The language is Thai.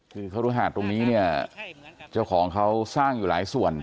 คือครุหาดตรงนี้เนี่ยเจ้าของเขาสร้างอยู่หลายส่วน